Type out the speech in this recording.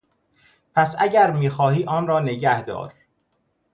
پس اگر میخواهی آن را نگهدار.